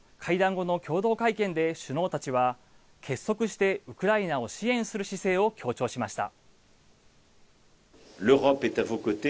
会談後の共同会見で首脳たちは、結束してウクライナを支援する姿勢を強調しました。